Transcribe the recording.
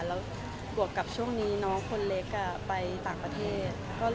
แล้วบวกกับช่วงนี้น้องคนเล็กไปต่างประเทศ